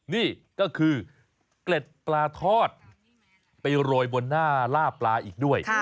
นี่ก็คือเกล็ดปลาทอดไปโรยบนหน้าล่าปลาอีกด้วย